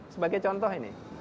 sebagai contoh ini